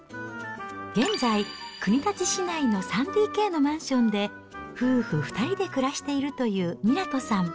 現在、国立市内の３ＤＫのマンションで夫婦２人で暮らしているという湊さん。